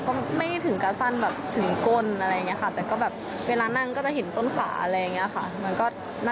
ก็ไม่ได้ถึงกระสั้นแบบถึงก้นอะไรอย่างนี้ค่ะ